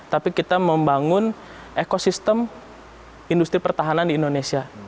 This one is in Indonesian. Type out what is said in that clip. tapi kita membangun ekosistem industri pertahanan di indonesia